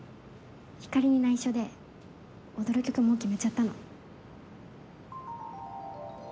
ひかりに内緒で踊る曲もう決めちゃったの。